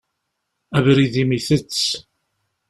Abrid-im itett.